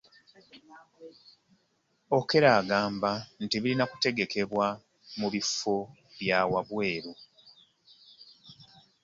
Okello agamba nti birina kutegekebwa mu bifo bya wabweru.